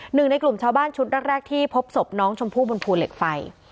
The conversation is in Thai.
หนึ่งในกลุ่มชาวบ้านชุดแรกที่พบศพน้องชมพู่บนภูเหล็กไฟ